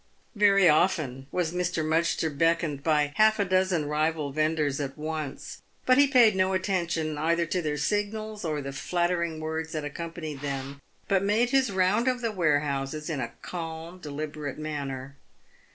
Very often was Mr. Mudgster beckoned by half a dozen rival vendors at once, but he paid no attention either to their signals, or the flattering words that ac companied them, but made his round of the warehouses in a calm, deliberate manner.